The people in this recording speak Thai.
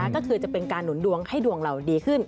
ก็คือจะเป็นการหนุนดวงให้ดวงเราดีขึ้น